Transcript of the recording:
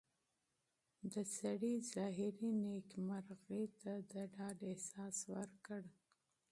د سړي ظاهري نېکۍ مرغۍ ته د ډاډ احساس ورکړ.